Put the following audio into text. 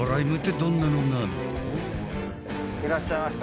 いらっしゃいました。